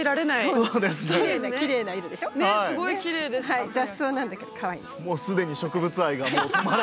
はい雑草なんだけどかわいいんです。